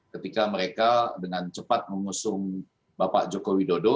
ketika mereka dengan cepat mengusung bapak joko widodo